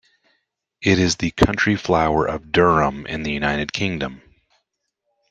It is the county flower of Durham in the United Kingdom.